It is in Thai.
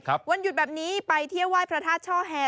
วันหยุดแบบนี้ไปเที่ยวไหว้พระธาตุช่อแฮ